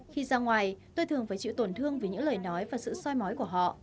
khi ra ngoài tôi thường phải chịu tổn thương vì những lời nói và sự soi mói của họ